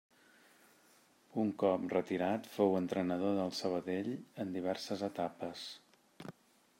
Un cop retirat fou entrenador del Sabadell en diverses etapes.